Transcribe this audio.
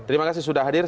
terima kasih sudah hadir